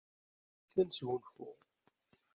Neggan akken ad nesgunfu.